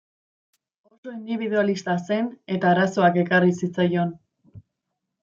Oso indibidualista zen eta arazoak ekarri zitzaion.